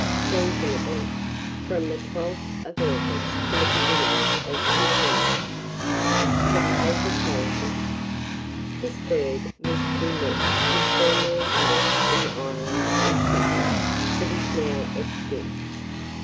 Seasonable from the 12th of August to the beginning of December. [Illustration: THE CAPERCALZIE.] THE CAPERCALZIE. This bird was to be met with formerly both in Ireland and Scotland, but is now extinct.